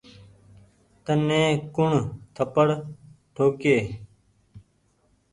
تني ڪوڻ ٿپڙ ٺوڪيئي ۔